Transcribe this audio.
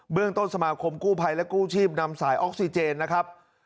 เรื่องต้นสมาคมกู้ภัยและกู้ชีพนำสายออกซิเจนนะครับ